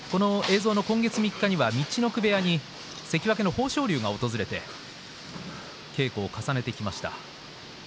今月３日には陸奥部屋に関脇の豊昇龍が訪れて稽古を重ねてきました。